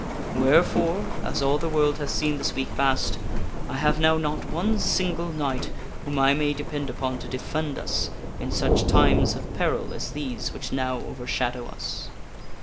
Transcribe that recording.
Wherefore (as all the world hath seen this week past) I have now not one single knight whom I may depend upon to defend us in such times of peril as these which now overshadow us.